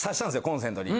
コンセントに。